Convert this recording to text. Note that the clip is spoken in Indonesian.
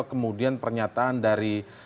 kemudian pernyataan dari